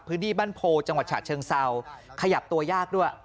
พื้นที่บ้านโพจังหวัดฉะเชิงเซาขยับตัวยากด้วย